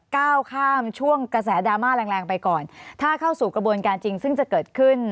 ก้าวข้ามช่วงกระแสดราม่าแรงแรงไปก่อนถ้าเข้าสู่กระบวนการจริงซึ่งจะเกิดขึ้น